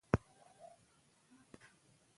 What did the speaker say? هغه نجلۍ چې درس وايي روښانه راتلونکې لري.